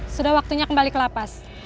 sudah waktunya kembali ke lapas